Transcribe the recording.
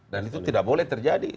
dan itu tidak boleh terjadi